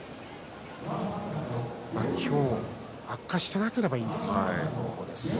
今日、悪化していなければいいんですけどね。